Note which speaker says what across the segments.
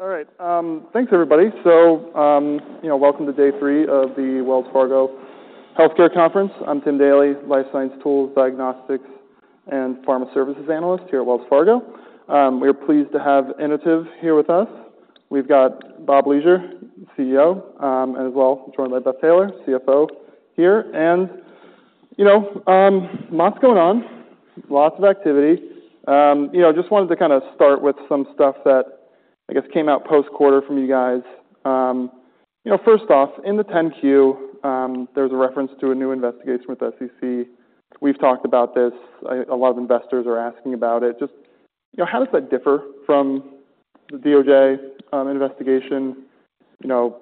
Speaker 1: All right, thanks everybody. So, you know, welcome to day three of the Wells Fargo Healthcare Conference. I'm Tim Daley, Life Science Tools, Diagnostics, and Pharma Services analyst here at Wells Fargo. We are pleased to have Inotiv here with us. We've got Bob Leasure, CEO, as well joined by Beth Taylor, CFO, here. And, you know, lots going on, lots of activity. You know, just wanted to kind of start with some stuff that I guess came out post-quarter from you guys. You know, first off, in the 10-Q, there's a reference to a new investigation with the SEC. We've talked about this, a lot of investors are asking about it. Just, you know, how does that differ from the DOJ investigation? You know,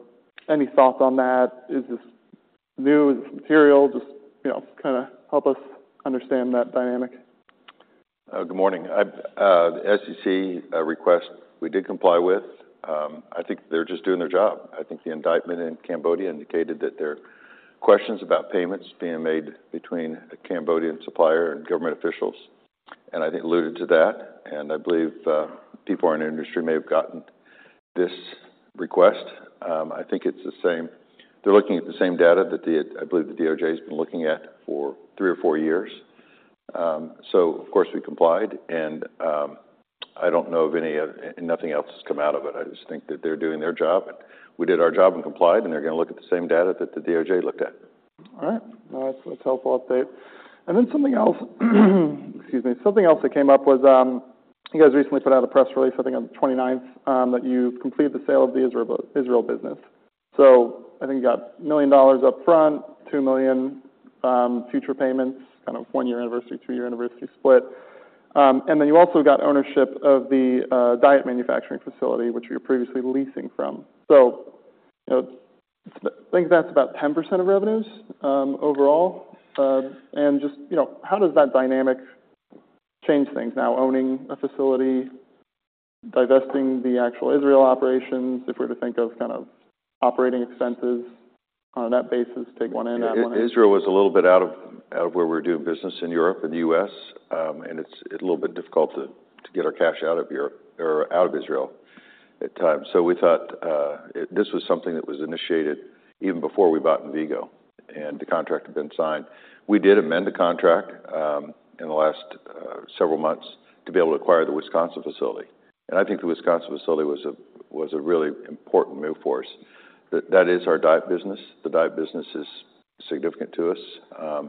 Speaker 1: any thoughts on that? Is this new material? Just, you know, kinda help us understand that dynamic.
Speaker 2: Good morning. The SEC request we did comply with. I think they're just doing their job. I think the indictment in Cambodia indicated that there are questions about payments being made between a Cambodian supplier and government officials, and I think alluded to that, and I believe people in our industry may have gotten this request. I think it's the same. They're looking at the same data that the, I believe, DOJ's been looking at for three or four years. So of course, we complied, and I don't know of any. Nothing else has come out of it. I just think that they're doing their job, and we did our job and complied, and they're gonna look at the same data that the DOJ looked at.
Speaker 1: All right. Well, that's a helpful update. And then something else, excuse me. Something else that came up was, you guys recently put out a press release, I think, on the 29th, that you completed the sale of the Israel business. So I think you got $1 million up front, $2 million future payments, kind of one-year anniversary, two-year anniversary split. And then you also got ownership of the diet manufacturing facility, which you were previously leasing from. So, you know, I think that's about 10% of revenues overall. And just, you know, how does that dynamic change things now, owning a facility, divesting the actual Israel operations, if we're to think of kind of operating expenses on that basis, take one in, add one in?
Speaker 2: Israel was a little bit out of where we were doing business in Europe and the U.S., and it's a little bit difficult to get our cash out of Europe or out of Israel at times. So we thought this was something that was initiated even before we bought Envigo, and the contract had been signed. We did amend the contract in the last several months to be able to acquire the Wisconsin facility, and I think the Wisconsin facility was a really important move for us. That is our diet business. The diet business is significant to us.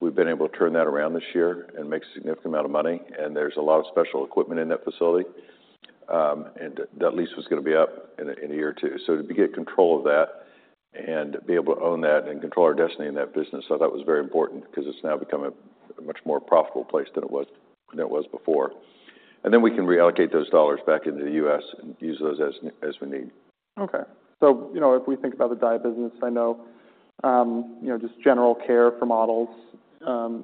Speaker 2: We've been able to turn that around this year and make a significant amount of money, and there's a lot of special equipment in that facility. That lease was gonna be up in a year or two. So to get control of that and be able to own that and control our destiny in that business, so that was very important because it's now become a much more profitable place than it was before. And then we can reallocate those dollars back into the U.S. and use those as we need.
Speaker 1: Okay. So, you know, if we think about the diet business, I know, you know, just general care for models,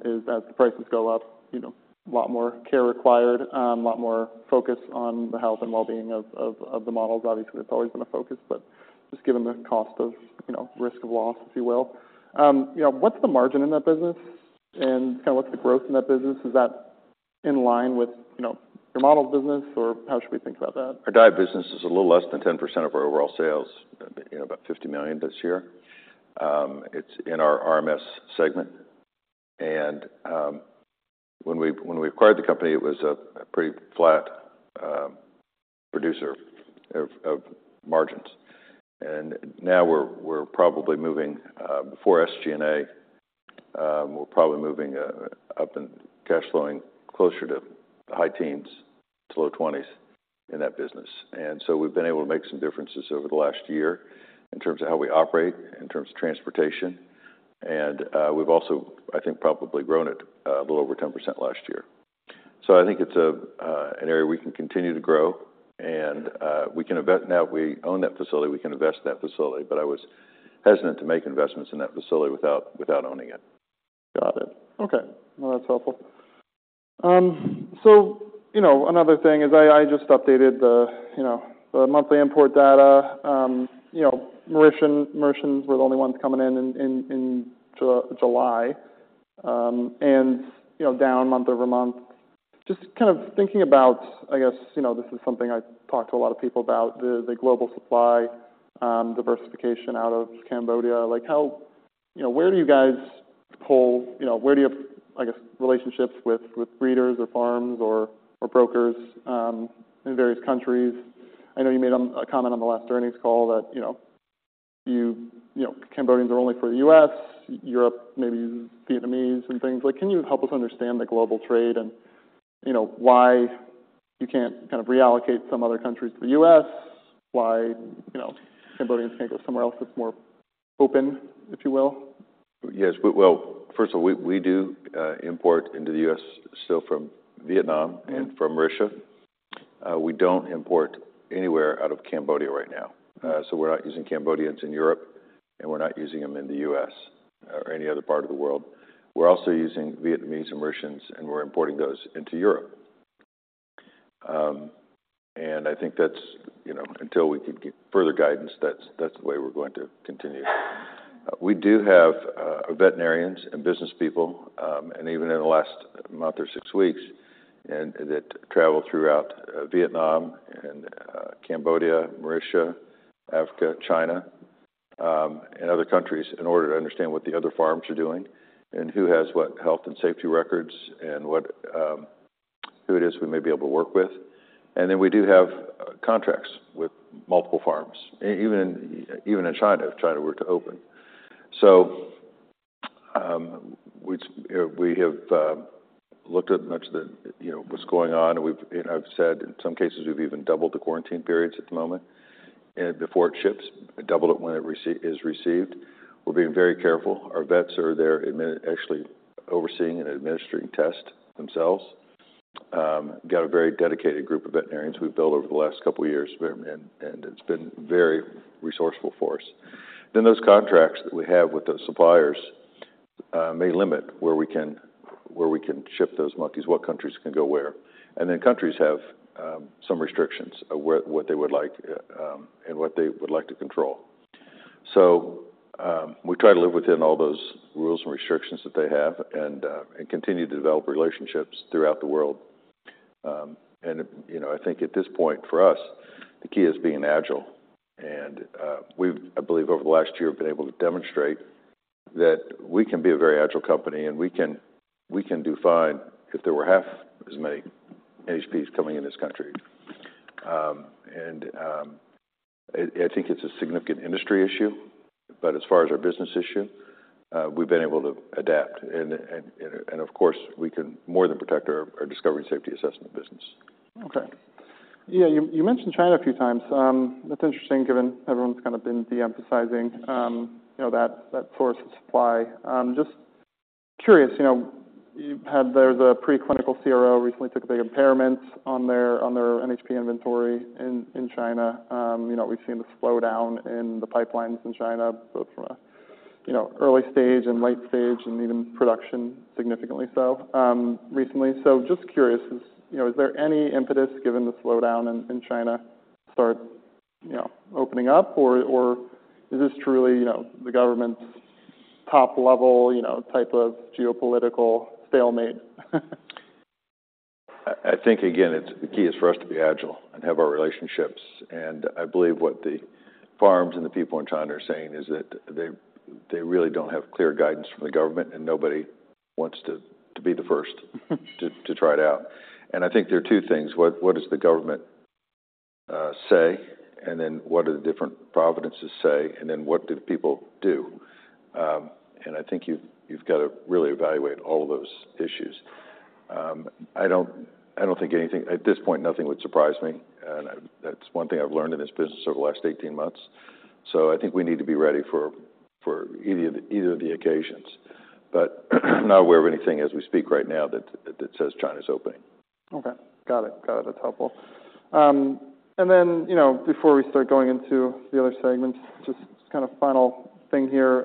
Speaker 1: is as the prices go up, you know, a lot more care required, a lot more focus on the health and well-being of the models. Obviously, that's always been a focus, but just given the cost of, you know, risk of loss, if you will. You know, what's the margin in that business, and kind of what's the growth in that business? Is that in line with, you know, your models business, or how should we think about that?
Speaker 2: Our diet business is a little less than 10% of our overall sales, you know, about $50 million this year. It's in our RMS segment, and when we acquired the company, it was a pretty flat producer of margins. And now we're probably moving before SG&A up in cash flowing closer to the high teens to low 20s in that business. And so we've been able to make some differences over the last year in terms of how we operate, in terms of transportation, and we've also, I think, probably grown it a little over 10% last year. So I think it's an area we can continue to grow, and we can invest... Now that we own that facility, we can invest in that facility, but I was hesitant to make investments in that facility without owning it.
Speaker 1: Got it. Okay, well, that's helpful. So, you know, another thing is I just updated the, you know, the monthly import data. You know, Mauritians were the only ones coming in in July, and, you know, down month-over-month. Just kind of thinking about, I guess, you know, this is something I talk to a lot of people about, the global supply diversification out of Cambodia. Like, how, you know, where do you guys pull, you know, where do you, I guess, relationships with breeders or farms or brokers in various countries? I know you made a comment on the last earnings call that, you know, you know, Cambodians are only for the US, Europe, maybe Vietnamese and things. Like, can you help us understand the global trade and, you know, why you can't kind of reallocate some other countries to the US? Why, you know, Cambodians can't go somewhere else that's more open, if you will?
Speaker 2: Yes. Well, first of all, we do import into the U.S. still from Vietnam and from Mauritius. We don't import anywhere out of Cambodia right now. So we're not using Cambodians in Europe, and we're not using them in the U.S. or any other part of the world. We're also using Vietnamese and Mauritians, and we're importing those into Europe. And I think that's, you know, until we can get further guidance, that's the way we're going to continue. We do have veterinarians and business people, and even in the last month or six weeks and they travel throughout Vietnam and Cambodia, Mauritius, Africa, China, and other countries in order to understand what the other farms are doing and who has what health and safety records, and what who it is we may be able to work with. And then we do have contracts with multiple farms, even in China, China we're to open. So, which, you know, we have looked at much of the, you know, what's going on, and we've, and I've said in some cases, we've even doubled the quarantine periods at the moment, and before it ships, we double it when it is received. We're being very careful. Our vets are there actually overseeing and administering tests themselves. Got a very dedicated group of veterinarians we've built over the last couple of years, and it's been very resourceful for us. Then those contracts that we have with the suppliers may limit where we can, where we can ship those monkeys, what countries can go where. And then countries have some restrictions of where, what they would like, and what they would like to control. So, we try to live within all those rules and restrictions that they have and continue to develop relationships throughout the world. And, you know, I think at this point, for us, the key is being agile. And, we've, I believe over the last year, have been able to demonstrate that we can be a very agile company, and we can, we can do fine if there were half as many NHPs coming in this country. And, I, I think it's a significant industry issue, but as far as our business issue, we've been able to adapt and, of course, we can more than protect our discovery and safety assessment business.
Speaker 1: Okay. Yeah, you mentioned China a few times. That's interesting, given everyone's kind of been de-emphasizing, you know, that source of supply. Just curious, you know, there's a preclinical CRO that recently took a big impairment on their NHP inventory in China. You know, we've seen the slowdown in the pipelines in China, both from a, you know, early stage and late stage and even production, significantly so, recently. So just curious, you know, is there any impetus, given the slowdown in China, to start, you know, opening up or is this truly, you know, the government's top-level type of geopolitical stalemate?
Speaker 2: I think, again, it's the key for us to be agile and have our relationships. And I believe what the farms and the people in China are saying is that they really don't have clear guidance from the government, and nobody wants to be the first to try it out. And I think there are two things: What does the government say? And then, what do the different provinces say? And then, what do the people do? And I think you've got to really evaluate all of those issues. I don't think anything. At this point, nothing would surprise me, and that's one thing I've learned in this business over the last 18 months. So I think we need to be ready for either of the occasions. But I'm not aware of anything as we speak right now that says China's opening.
Speaker 1: Okay. Got it. Got it. That's helpful. And then, you know, before we start going into the other segments, just kind of final thing here.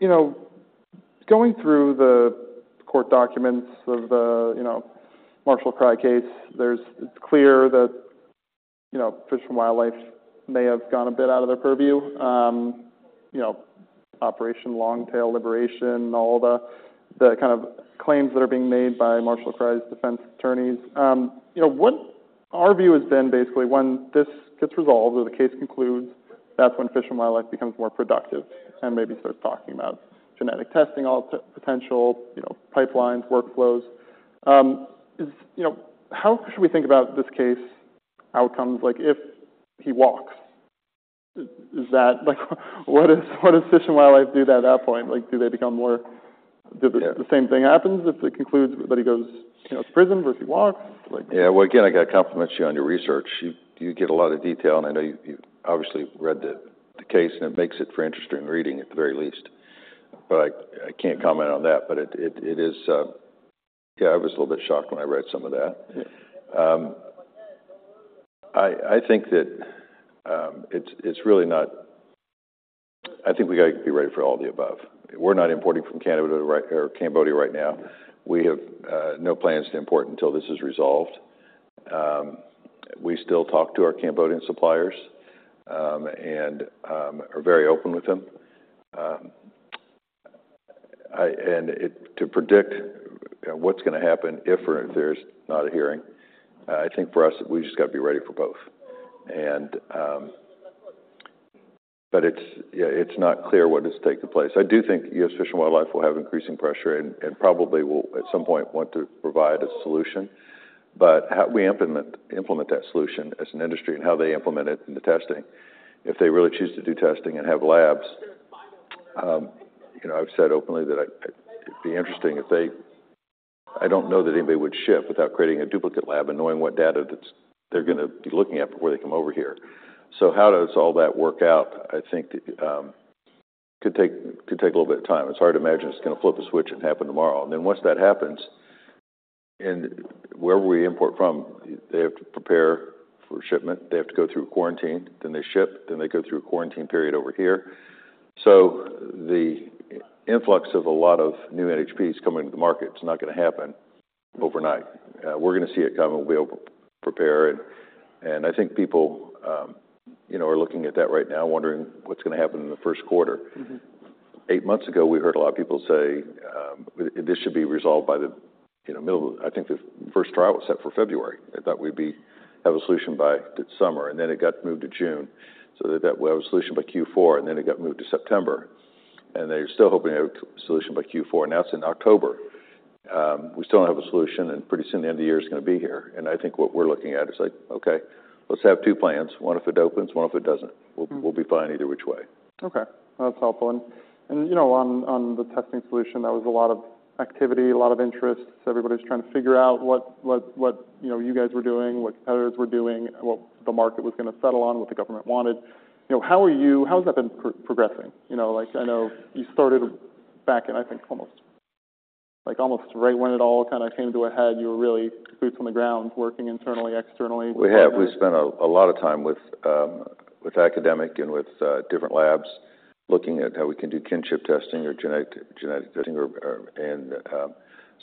Speaker 1: You know, going through the court documents of the, you know, Masphal Kry case, it's clear that, you know, Fish and Wildlife may have gone a bit out of their purview. You know, Operation Long Tail, all the kind of claims that are being made by Masphal Kry's defense attorneys. You know, what our view has been, basically, when this gets resolved or the case concludes, that's when Fish and Wildlife becomes more productive and maybe starts talking about genetic testing, all the potential, you know, pipelines, workflows. You know, how should we think about this case outcomes? Like, if he walks, is that, like, what does Fish and Wildlife do at that point? Like, do they become more-
Speaker 2: Yeah.
Speaker 1: Does the same thing happen if it concludes that he goes, you know, to prison or if he walks, like?
Speaker 2: Yeah. Well, again, I got to compliment you on your research. You get a lot of detail, and I know you've obviously read the case, and it makes for interesting reading at the very least. But I can't comment on that, but it is... Yeah, I was a little bit shocked when I read some of that.
Speaker 1: Yeah.
Speaker 2: I think we got to be ready for all the above. We're not importing from Canada, right, or Cambodia right now. We have no plans to import until this is resolved. We still talk to our Cambodian suppliers and are very open with them. To predict what's gonna happen if or if there's not a hearing, I think for us, we just got to be ready for both. But it's, yeah, it's not clear what is taking place. I do think U.S. Fish and Wildlife will have increasing pressure and probably will, at some point, want to provide a solution. But how we implement that solution as an industry and how they implement it in the testing, if they really choose to do testing and have labs, you know, I've said openly that it'd be interesting if they, I don't know that anybody would ship without creating a duplicate lab and knowing what data that's, they're gonna be looking at before they come over here. So how does all that work out? I think could take a little bit of time. It's hard to imagine it's gonna flip a switch and happen tomorrow. And then once that happens, and wherever we import from, they have to prepare for shipment, they have to go through quarantine, then they ship, then they go through a quarantine period over here. So the influx of a lot of new NHPs coming to the market is not gonna happen overnight. We're gonna see it coming. We'll be able to prepare, and, and I think people, you know, are looking at that right now, wondering what's gonna happen in the first quarter.
Speaker 1: Mm-hmm....
Speaker 2: eight months ago, we heard a lot of people say, this should be resolved by the, you know, middle of—I think the first trial was set for February. They thought we'd be, have a solution by the summer, and then it got moved to June. So they thought we'd have a solution by Q4, and then it got moved to September, and they're still hoping to have a solution by Q4, now it's in October. We still don't have a solution, and pretty soon the end of the year is going to be here. And I think what we're looking at is like, "Okay, let's have two plans. One if it opens, one if it doesn't. We'll, we'll be fine either which way.
Speaker 1: Okay, that's helpful. And you know, on the testing solution, that was a lot of activity, a lot of interest. Everybody's trying to figure out what you know, you guys were doing, what competitors were doing, what the market was going to settle on, what the government wanted. You know, how has that been progressing? You know, like, I know you started back in, I think, almost like right when it all kind of came to a head. You were really boots on the ground, working internally, externally.
Speaker 2: We have. We spent a lot of time with academic and with different labs, looking at how we can do kinship testing or genetic testing or. And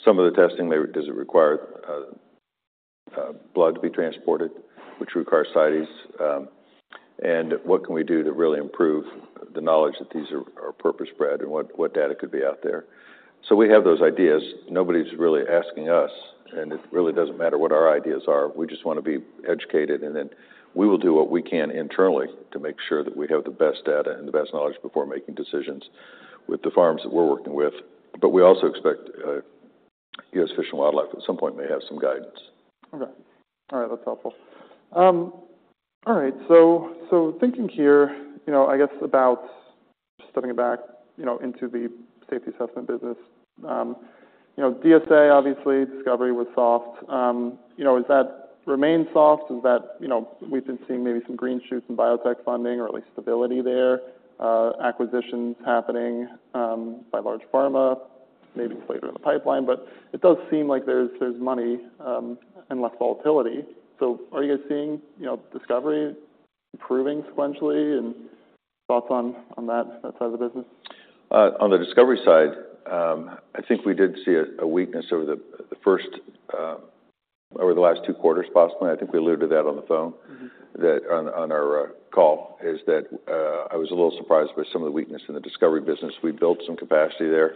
Speaker 2: some of the testing doesn't require blood to be transported, which require CITES. And what can we do to really improve the knowledge that these are purpose-bred, and what data could be out there? So we have those ideas. Nobody's really asking us, and it really doesn't matter what our ideas are. We just want to be educated, and then we will do what we can internally to make sure that we have the best data and the best knowledge before making decisions with the farms that we're working with. But we also expect U.S. Fish and Wildlife Service at some point may have some guidance.
Speaker 1: Okay. All right, that's helpful. All right, so thinking here, you know, I guess about stepping back, you know, into the safety assessment business. You know, DSA, obviously, discovery was soft. You know, does that remain soft? Is that... You know, we've been seeing maybe some green shoots in biotech funding or at least stability there, acquisitions happening, by large pharma, maybe later in the pipeline. But it does seem like there's money, and less volatility. So are you guys seeing, you know, discovery improving sequentially? And thoughts on that side of the business.
Speaker 2: On the discovery side, I think we did see a weakness over the last two quarters, possibly. I think we alluded to that on the phone.
Speaker 1: Mm-hmm
Speaker 2: -that on our call is that I was a little surprised by some of the weakness in the discovery business. We built some capacity there,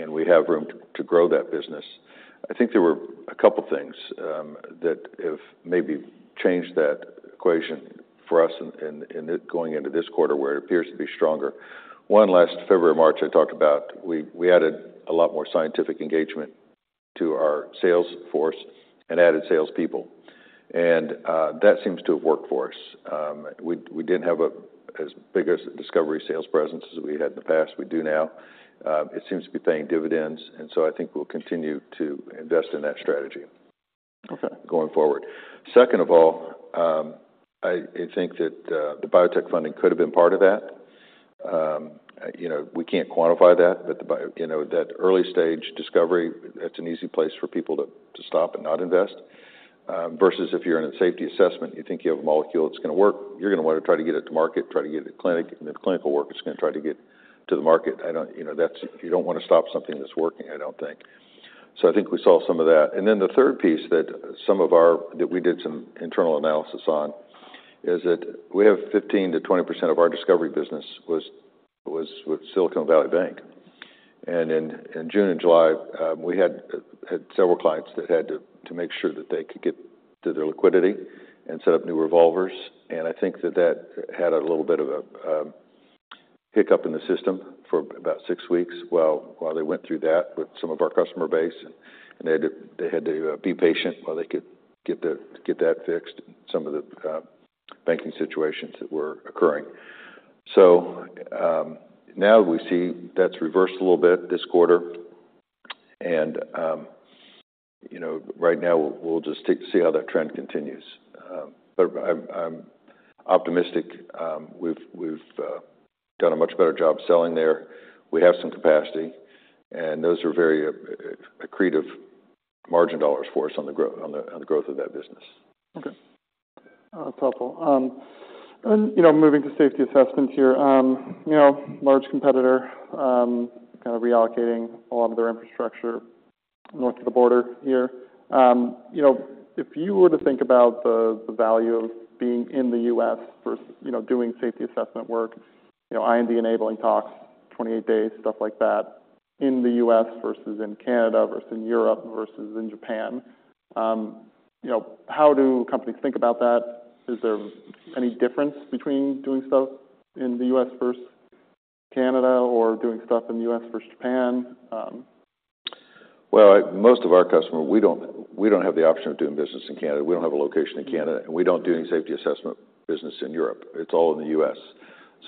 Speaker 2: and we have room to grow that business. I think there were a couple things that have maybe changed that equation for us in it going into this quarter, where it appears to be stronger. One, last February, March, I talked about we added a lot more scientific engagement to our sales force and added salespeople, and that seems to have worked for us. We didn't have as big a discovery sales presence as we had in the past. We do now. It seems to be paying dividends, and so I think we'll continue to invest in that strategy-
Speaker 1: Okay
Speaker 2: -going forward. Second of all, I think that the biotech funding could have been part of that. You know, we can't quantify that, but the bio-- you know, that early-stage discovery, that's an easy place for people to stop and not invest. Versus if you're in a safety assessment, you think you have a molecule that's going to work, you're going to want to try to get it to market, try to get it to clinic. And if clinical work, it's going to try to get to the market. I don't... You know, that's-- you don't want to stop something that's working, I don't think. So I think we saw some of that. Then the third piece that we did some internal analysis on is that we have 15%-20% of our discovery business was with Silicon Valley Bank. And in June and July, we had several clients that had to make sure that they could get to their liquidity and set up new revolvers. And I think that that had a little bit of a hiccup in the system for about 6 weeks, while they went through that with some of our customer base, and they had to be patient while they could get that fixed, some of the banking situations that were occurring. So, now we see that's reversed a little bit this quarter, and, you know, right now we'll just see how that trend continues. But I'm optimistic. We've done a much better job selling there. We have some capacity, and those are very accretive margin dollars for us on the growth of that business.
Speaker 1: Okay. That's helpful. And, you know, moving to safety assessments here, you know, large competitor, kind of reallocating a lot of their infrastructure north of the border here. You know, if you were to think about the value of being in the US versus, you know, doing safety assessment work, you know, IND-enabling tox, 28 days, stuff like that, in the US versus in Canada versus in Europe versus in Japan, you know, how do companies think about that? Is there any difference between doing stuff in the US versus Canada or doing stuff in the US versus Japan?
Speaker 2: Well, most of our customers, we don't, we don't have the option of doing business in Canada. We don't have a location in Canada, and we don't do any safety assessment business in Europe. It's all in the U.S.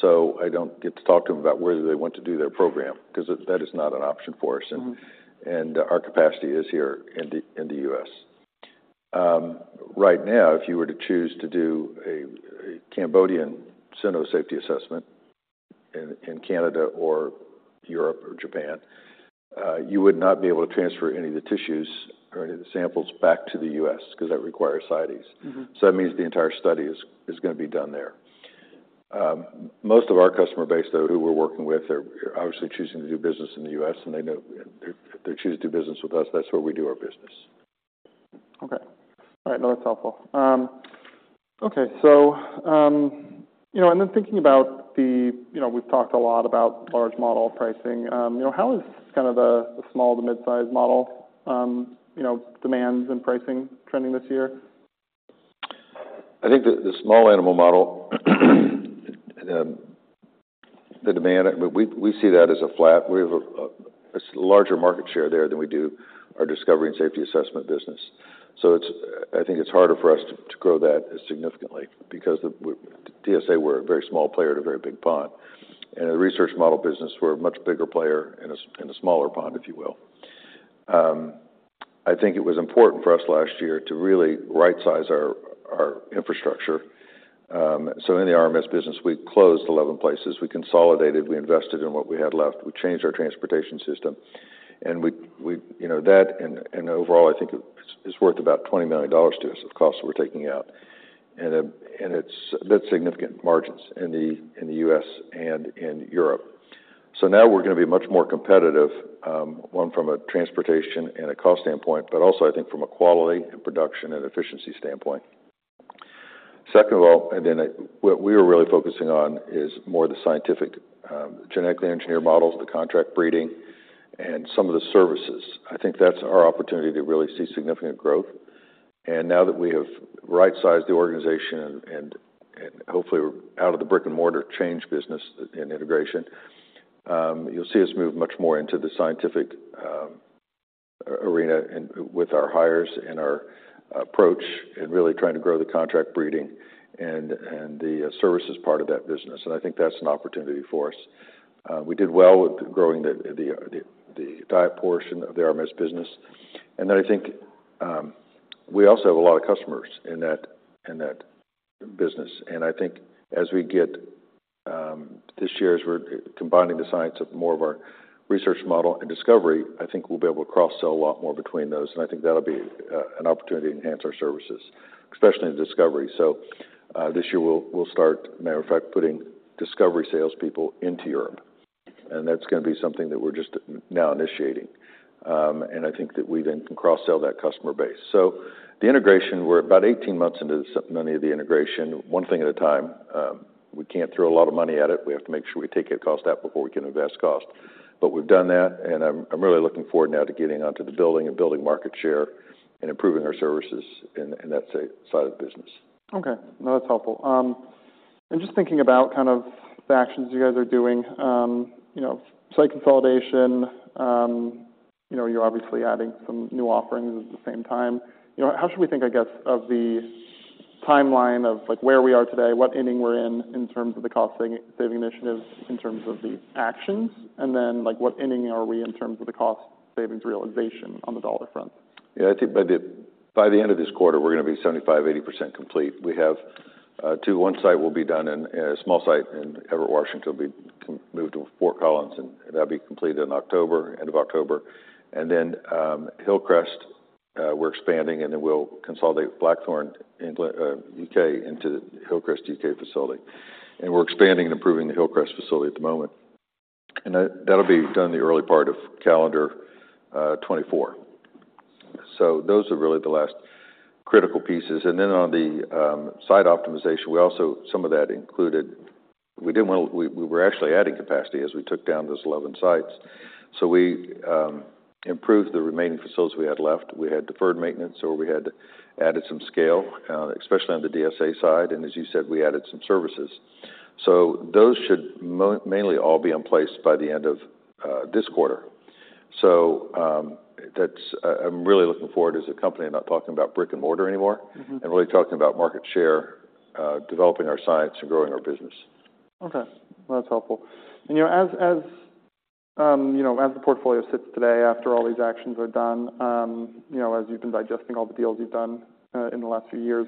Speaker 2: So I don't get to talk to them about whether they want to do their program because that is not an option for us.
Speaker 1: Mm-hmm.
Speaker 2: Our capacity is here in the U.S. Right now, if you were to choose to do a Cambodian cyno safety assessment in Canada or Europe or Japan, you would not be able to transfer any of the tissues or any of the samples back to the U.S. because that requires CITES.
Speaker 1: Mm-hmm.
Speaker 2: So that means the entire study is going to be done there. Most of our customer base, though, who we're working with, are obviously choosing to do business in the US, and they know, if they choose to do business with us, that's where we do our business....
Speaker 1: Okay. All right, no, that's helpful. Okay, so, you know, and then thinking about the, you know, we've talked a lot about large model pricing. You know, how is kind of the, the small to mid-size model, you know, demands and pricing trending this year?
Speaker 2: I think the small animal model, the demand, I mean, we see that as a flat. We have a larger market share there than we do our discovery and safety assessment business. So it's—I think it's harder for us to grow that as significantly because the DSA, we're a very small player in a very big pond. In a research model business, we're a much bigger player in a smaller pond, if you will. I think it was important for us last year to really right-size our infrastructure. So in the RMS business, we closed 11 places. We consolidated, we invested in what we had left. We changed our transportation system, and we, you know, that and overall, I think it's worth about $20 million to us of costs we're taking out. And, it's, that's significant margins in the U.S. and in Europe. So now we're gonna be much more competitive, one, from a transportation and a cost standpoint, but also I think from a quality and production and efficiency standpoint. Second of all, and then what we are really focusing on is more the scientific, genetically engineered models, the contract breeding, and some of the services. I think that's our opportunity to really see significant growth. And now that we have right-sized the organization and hopefully we're out of the brick-and-mortar change business and integration, you'll see us move much more into the scientific, arena and with our hires and our approach in really trying to grow the contract breeding and the services part of that business. And I think that's an opportunity for us. We did well with growing the diet portion of the RMS business. And then I think we also have a lot of customers in that business. And I think this year, as we're combining the science of more of our research model and discovery, I think we'll be able to cross-sell a lot more between those, and I think that'll be an opportunity to enhance our services, especially in discovery. So, this year, we'll start, matter of fact, putting discovery salespeople into Europe, and that's gonna be something that we're just now initiating. And I think that we then can cross-sell that customer base. So the integration, we're about 18 months into the integration, one thing at a time. We can't throw a lot of money at it. We have to make sure we take your cost out before we can invest cost. But we've done that, and I'm really looking forward now to getting onto the building and building market share and improving our services in that side of the business.
Speaker 1: Okay. No, that's helpful. And just thinking about kind of the actions you guys are doing, you know, site consolidation, you know, you're obviously adding some new offerings at the same time. You know, how should we think, I guess, of the timeline of, like, where we are today, what inning we're in, in terms of the cost saving, saving initiatives, in terms of the actions? And then, like, what inning are we in terms of the cost savings realization on the dollar front?
Speaker 2: Yeah, I think by the end of this quarter, we're gonna be 75%-80% complete. We have two. One site will be done, and a small site in Everett, Washington, will be moved to Fort Collins, and that'll be completed in October, end of October. And then, Hillcrest, we're expanding, and then we'll consolidate Blackthorn in the U.K. into the Hillcrest U.K. facility. And we're expanding and improving the Hillcrest facility at the moment, and that'll be done in the early part of calendar 2024. So those are really the last critical pieces. And then on the site optimization, we also, some of that included, we didn't want, we were actually adding capacity as we took down those 11 sites. So we improved the remaining facilities we had left. We had deferred maintenance, or we had added some scale, especially on the DSA side, and as you said, we added some services. So those should mainly all be in place by the end of this quarter. So, that's. I'm really looking forward as a company and not talking about brick-and-mortar anymore-
Speaker 1: Mm-hmm.
Speaker 2: - and really talking about market share, developing our science, and growing our business.
Speaker 1: Okay, well, that's helpful. And, you know, as you know, as the portfolio sits today, after all these actions are done, you know, as you've been digesting all the deals you've done, in the last few years,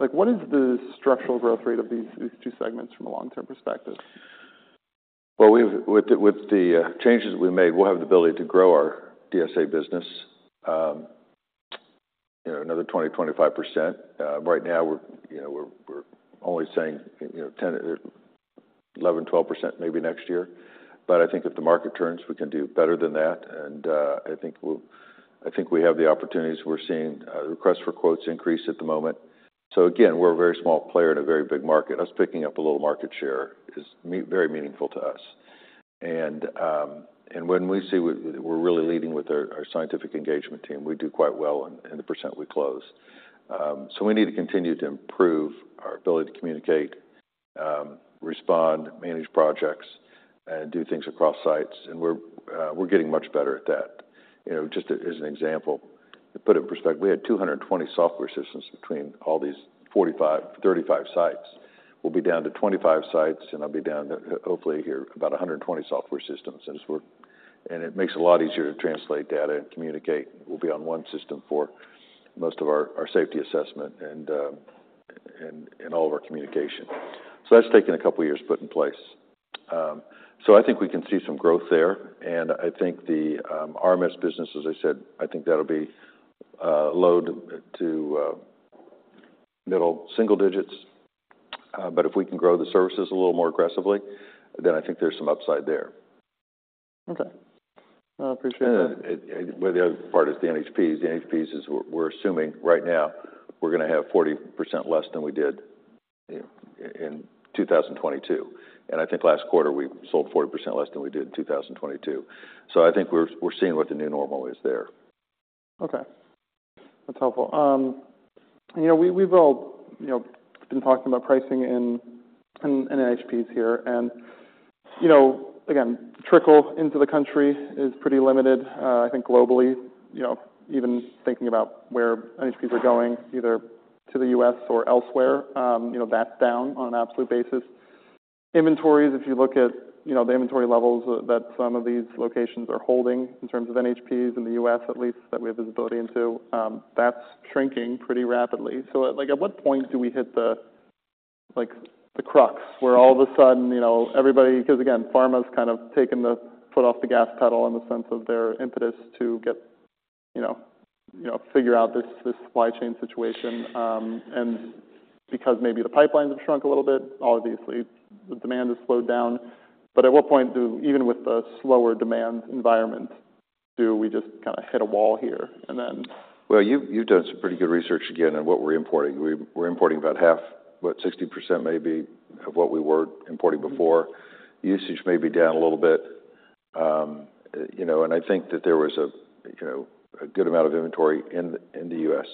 Speaker 1: like, what is the structural growth rate of these two segments from a long-term perspective?
Speaker 2: Well, with the changes we've made, we'll have the ability to grow our DSA business, you know, another 20%-25%. Right now, we're, you know, only saying, you know, 10%, 11%, 12% maybe next year. But I think if the market turns, we can do better than that, and I think we have the opportunities. We're seeing requests for quotes increase at the moment. So again, we're a very small player in a very big market. Us picking up a little market share is very meaningful to us. And when we see we're really leading with our scientific engagement team, we do quite well in the percent we close. So we need to continue to improve our ability to communicate, respond, manage projects, and do things across sites, and we're getting much better at that. You know, just as an example, to put it in perspective, we had 220 software systems between all these 45, 35 sites. We'll be down to 25 sites, and I'll be down to hopefully here, about 120 software systems as we're- And it makes it a lot easier to translate data and communicate. We'll be on one system for most of our safety assessment and all of our communication. So that's taken a couple of years to put in place. So I think we can see some growth there, and I think the RMS business, as I said, I think that'll be low to-... middle, single digits. But if we can grow the services a little more aggressively, then I think there's some upside there.
Speaker 1: Okay. I appreciate that.
Speaker 2: Well, the other part is the NHPs. The NHPs is we're assuming right now we're gonna have 40% less than we did in 2022, and I think last quarter, we sold 40% less than we did in 2022. I think we're seeing what the new normal is there.
Speaker 1: Okay, that's helpful. You know, we've all, you know, been talking about pricing in NHPs here, and, you know, again, trickle into the country is pretty limited. I think globally, you know, even thinking about where NHPs are going, either to the U.S. or elsewhere, you know, that's down on an absolute basis. Inventories, if you look at, you know, the inventory levels that some of these locations are holding in terms of NHPs in the U.S., at least, that we have visibility into, that's shrinking pretty rapidly. So, like, at what point do we hit the crux, where all of a sudden, you know, everybody... 'Cause again, pharma's kind of taken the foot off the gas pedal in the sense of their impetus to get, you know, you know, figure out this supply chain situation, and because maybe the pipelines have shrunk a little bit, obviously the demand has slowed down. But at what point do, even with the slower demand environment, do we just kinda hit a wall here and then?
Speaker 2: Well, you've done some pretty good research again on what we're importing. We're importing about half, what, 60% maybe, of what we were importing before.
Speaker 1: Mm-hmm.
Speaker 2: Usage may be down a little bit. You know, and I think that there was a good amount of inventory in the U.S.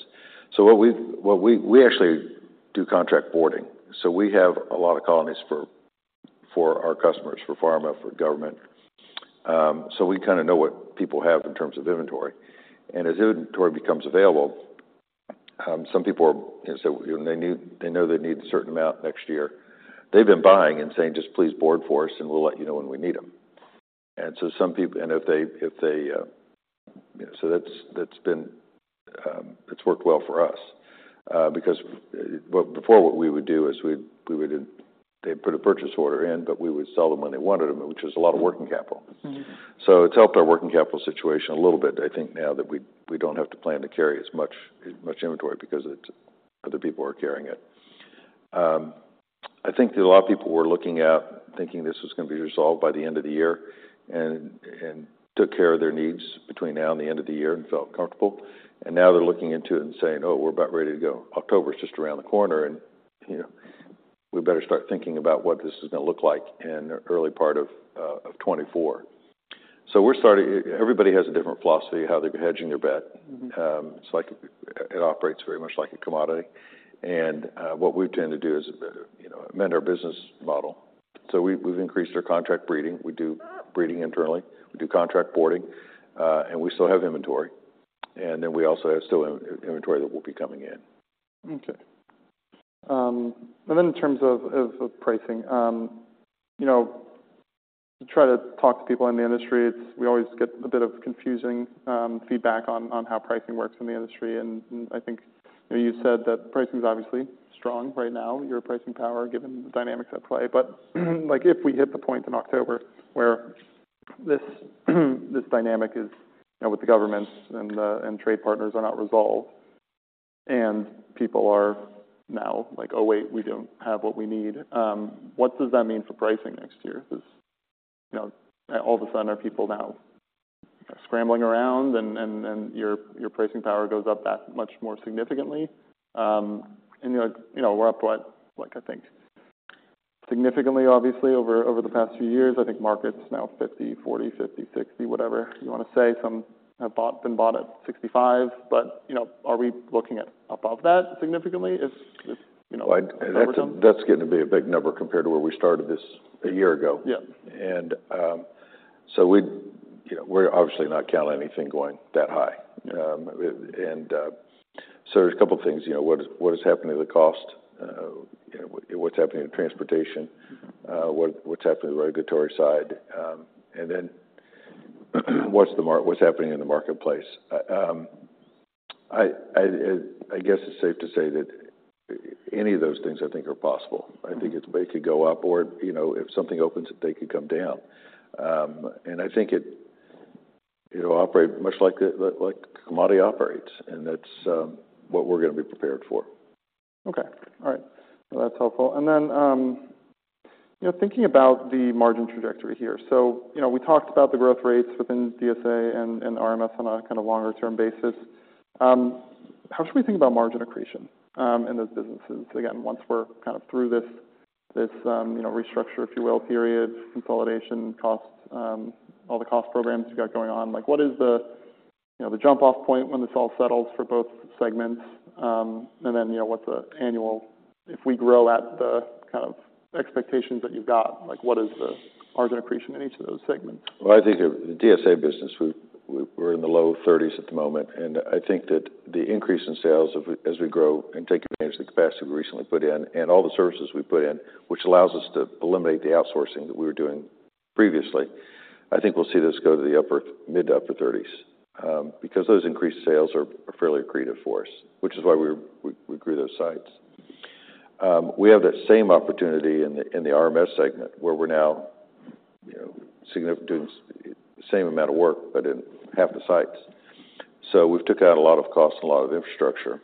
Speaker 2: So what we actually do contract boarding, so we have a lot of colonies for our customers, for pharma, for government. So we kind of know what people have in terms of inventory. And as inventory becomes available, some people are, you know, so they know they need a certain amount next year. They've been buying and saying: "Just please board for us, and we'll let you know when we need them." And so some people... And if they, you know... So that's been, it's worked well for us, because well, before, what we would do is they put a purchase order in, but we would sell them when they wanted them, which is a lot of working capital.
Speaker 1: Mm-hmm.
Speaker 2: So it's helped our working capital situation a little bit, I think, now that we, we don't have to plan to carry as much, much inventory because it, other people are carrying it. I think that a lot of people were looking at thinking this was gonna be resolved by the end of the year and, and took care of their needs between now and the end of the year and felt comfortable. And now they're looking into it and saying, "Oh, we're about ready to go. October is just around the corner, and, you know, we better start thinking about what this is gonna look like in the early part of, of 2024." So we're starting... Everybody has a different philosophy, how they're hedging their bet.
Speaker 1: Mm-hmm.
Speaker 2: It's like, it operates very much like a commodity. And what we've tended to do is, you know, amend our business model. So we've increased our contract breeding. We do breeding internally, we do contract boarding, and we still have inventory, and then we also have still in-inventory that will be coming in.
Speaker 1: Okay. And then in terms of pricing, you know, to try to talk to people in the industry, it's. We always get a bit of confusing feedback on how pricing works in the industry. And I think, you know, you said that pricing is obviously strong right now, your pricing power, given the dynamics at play. But, like, if we hit the point in October where this dynamic is, you know, with the governments and the trade partners are not resolved, and people are now like: "Oh, wait, we don't have what we need," what does that mean for pricing next year? 'Cause, you know, all of a sudden, are people now scrambling around and your pricing power goes up that much more significantly? And, you know, we're up to what? Like, I think significantly, obviously, over the past few years, I think market's now 50, 40, 50, 60, whatever you wanna say. Some have bought, been bought at 65, but, you know, are we looking at above that significantly is, you know, -
Speaker 2: Well, that's getting to be a big number compared to where we started this a year ago.
Speaker 1: Yeah.
Speaker 2: So we, you know, we're obviously not counting anything going that high.
Speaker 1: Yeah.
Speaker 2: So, there's a couple things, you know, what is happening to the cost? What's happening in transportation?
Speaker 1: Mm-hmm.
Speaker 2: What's happening on the regulatory side? And then, what's happening in the marketplace? I guess it's safe to say that any of those things I think are possible.
Speaker 1: Mm-hmm.
Speaker 2: I think it could go up, or, you know, if something opens, they could come down. And I think it'll operate much like a commodity operates, and that's what we're gonna be prepared for.
Speaker 1: Okay. All right. Well, that's helpful. And then, you know, thinking about the margin trajectory here, so, you know, we talked about the growth rates within DSA and RMS on a kind of longer-term basis. How should we think about margin accretion in those businesses? Again, once we're kind of through this, you know, restructure, if you will, period, consolidation costs, all the cost programs you got going on. Like, what is the, you know, the jump-off point when this all settles for both segments? And then, you know, what the annual... If we grow at the kind of expectations that you've got, like, what is the margin accretion in each of those segments?
Speaker 2: Well, I think the DSA business, we're in the low 30s at the moment, and I think that the increase in sales of, as we grow and take advantage of the capacity we recently put in and all the services we put in, which allows us to eliminate the outsourcing that we were doing previously, I think we'll see this go to the upper, mid- to upper 30s. Because those increased sales are fairly accretive for us, which is why we grew those sites. We have that same opportunity in the RMS segment, where we're now, you know, significant, doing the same amount of work, but in half the sites. So we've took out a lot of costs and a lot of infrastructure.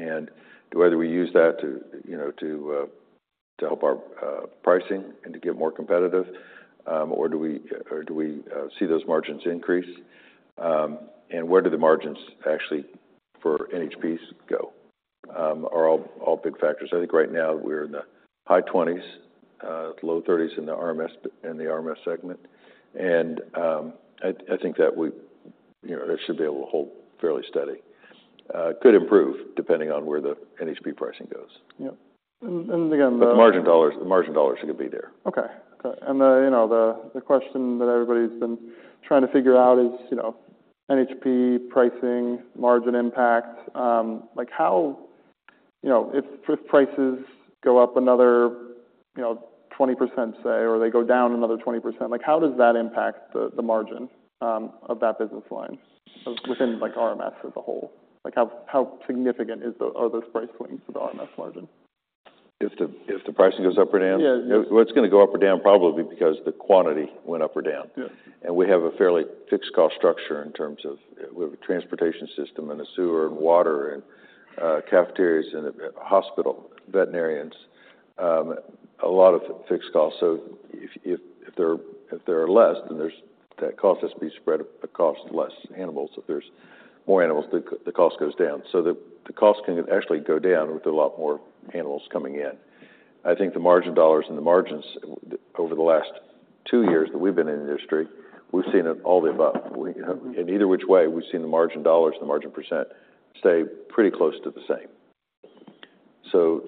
Speaker 2: And the way that we use that to, you know, to help our pricing and to get more competitive, or do we see those margins increase? And where do the margins actually for NHP go? Are all big factors. I think right now we're in the high 20s, low 30s in the RMS, in the RMS segment. And I think that we, you know, that should be able to hold fairly steady. Could improve, depending on where the NHP pricing goes.
Speaker 1: Yep. And again, the-
Speaker 2: The margin dollars, the margin dollars are gonna be there.
Speaker 1: Okay. Okay. And, you know, the question that everybody's been trying to figure out is, you know, NHP pricing, margin impact. Like, how... You know, if prices go up another, you know, 20%, say, or they go down another 20%, like, how does that impact the margin of that business line or within, like, RMS as a whole? Like, how significant are those price points for the RMS margin?
Speaker 2: If the pricing goes up or down?
Speaker 1: Yeah.
Speaker 2: Well, it's gonna go up or down probably because the quantity went up or down.
Speaker 1: Yeah.
Speaker 2: We have a fairly fixed cost structure in terms of we have a transportation system, and a sewer, and water, and cafeterias, and a hospital, veterinarians. A lot of fixed costs. So if there are less, then that cost has to be spread across less animals. So if there's more animals, the cost goes down. So the cost can actually go down with a lot more animals coming in. I think the margin dollars and the margins over the last two years that we've been in the industry, we've seen it all the above. And either which way, we've seen the margin dollars and the margin percent stay pretty close to the same. So,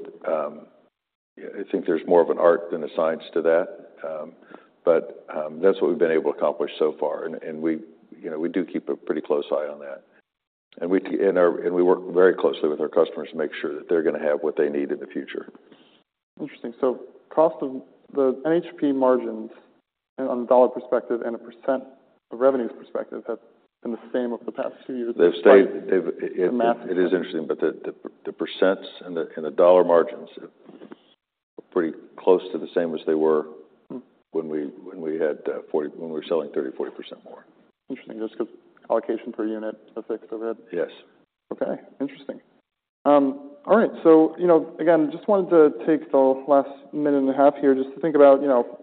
Speaker 2: I think there's more of an art than a science to that. But that's what we've been able to accomplish so far, and we, you know, we do keep a pretty close eye on that. And we work very closely with our customers to make sure that they're gonna have what they need in the future.
Speaker 1: Interesting. So cost of the NHP margins and on the dollar perspective and a percent of revenues perspective, have been the same over the past two years?
Speaker 2: They've stayed-
Speaker 1: The math-
Speaker 2: It is interesting, but the percents and the dollar margins are pretty close to the same as they were-
Speaker 1: Mm-hmm
Speaker 2: When we were selling 30%-40% more.
Speaker 1: Interesting. Just because allocation per unit is fixed overhead?
Speaker 2: Yes.
Speaker 1: Okay, interesting. All right, so, you know, again, just wanted to take the last minute and a half here just to think about, you know,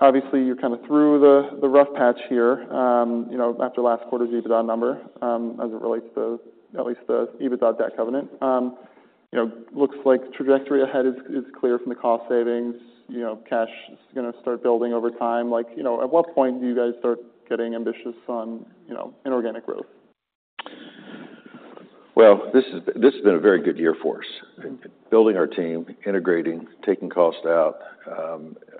Speaker 1: obviously, you're kind of through the, the rough patch here, you know, after last quarter's EBITDA number, as it relates to the, at least, the EBITDA, debt covenant. You know, looks like the trajectory ahead is clear from the cost savings. You know, cash is gonna start building over time. Like, you know, at what point do you guys start getting ambitious on, you know, inorganic growth?
Speaker 2: Well, this has been, this has been a very good year for us. Building our team, integrating, taking cost out,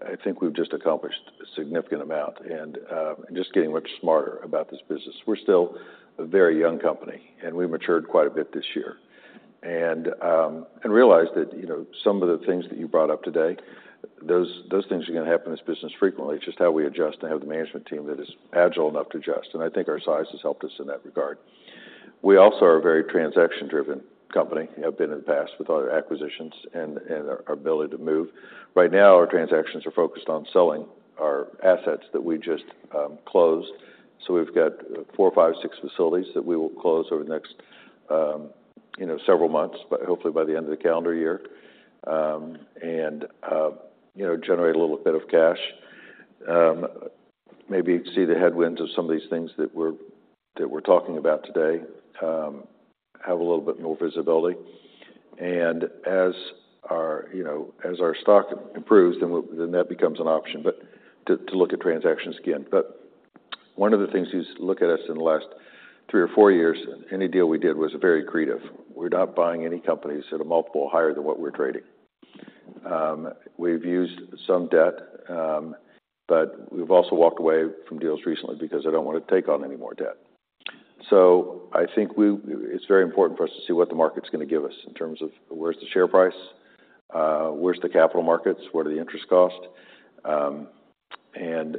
Speaker 2: I think we've just accomplished a significant amount, and just getting much smarter about this business. We're still a very young company, and we've matured quite a bit this year. And realized that, you know, some of the things that you brought up today, those, those things are gonna happen in this business frequently. It's just how we adjust and have the management team that is agile enough to adjust, and I think our size has helped us in that regard. We also are a very transaction-driven company, have been in the past with all our acquisitions and, and our, our ability to move. Right now, our transactions are focused on selling our assets that we just closed. So we've got 4, 5, 6 facilities that we will close over the next, you know, several months, but hopefully by the end of the calendar year. And, you know, generate a little bit of cash. Maybe see the headwinds of some of these things that we're, that we're talking about today, have a little bit more visibility. And as our, you know, as our stock improves, then we'll- then that becomes an option, but to, to look at transactions again. But one of the things you look at us in the last three or four years, any deal we did was very accretive. We're not buying any companies at a multiple higher than what we're trading. We've used some debt, but we've also walked away from deals recently because I don't want to take on any more debt. So I think it's very important for us to see what the market's gonna give us in terms of where's the share price, where's the capital markets, what are the interest costs, and,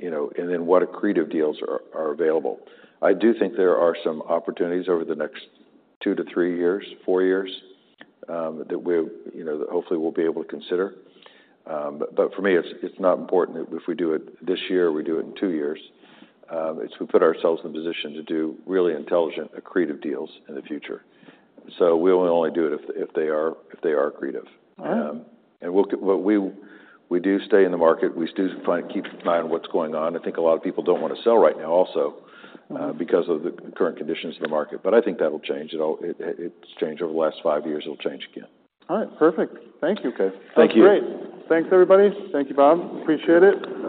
Speaker 2: you know, and then what accretive deals are, are available. I do think there are some opportunities over the next 2-3 years, 4 years, that we're, you know, that hopefully we'll be able to consider. But, but for me, it's, it's not important if, if we do it this year or we do it in 2 years. It's we put ourselves in a position to do really intelligent, accretive deals in the future. So we will only do it if, if they are, if they are accretive.
Speaker 1: All right.
Speaker 2: We'll see what we do. We stay in the market. We still try and keep an eye on what's going on. I think a lot of people don't want to sell right now also...
Speaker 1: Mm-hmm...
Speaker 2: because of the current conditions in the market, but I think that'll change. It's changed over the last five years. It'll change again.
Speaker 1: All right. Perfect. Thank you, Kay.
Speaker 2: Thank you.
Speaker 1: That's great. Thanks, everybody. Thank you, Bob. Appreciate it.